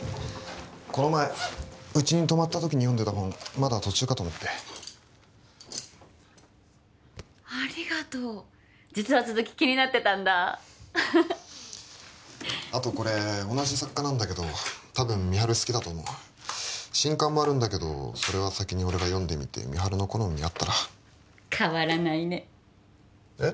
この前うちに泊まった時に読んでた本まだ途中かと思ってありがとう実は続き気になってたんだあとこれ同じ作家なんだけどたぶん美晴好きだと思う新刊もあるんだけどそれは先に俺が読んでみて美晴の好みに合ったら変わらないねえっ？